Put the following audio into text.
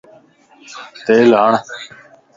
تيل ھڻ